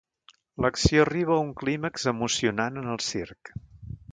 L'acció arriba a un clímax emocionant en el circ.